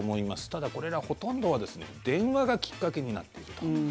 ただ、これらほとんどは電話がきっかけになっていると。